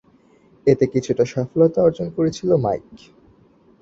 এতে কিছুটা সফলতা অর্জন করেছিল মাইক।